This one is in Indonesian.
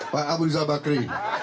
pak abu diska bakri